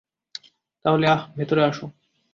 তাহলে, আহ, ভেতরে আসো।